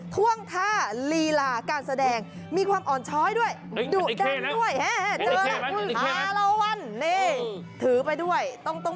ท่วงท่าลีหลาการแสดง